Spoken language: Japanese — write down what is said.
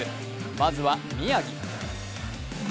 まずは宮城。